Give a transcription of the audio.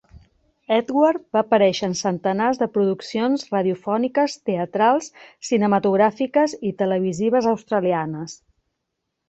Ewart va aparèixer en centenars de produccions radiofòniques, teatrals, cinematogràfiques i televisives australianes.